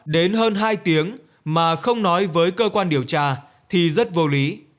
đến hơn hai tiếng mà không nói với cơ quan điều tra thì rất vô lý